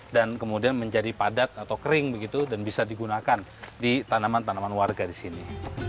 dan kemudian menjadi padat atau kering begitu dan bisa digunakan di tanaman tanaman warga di sini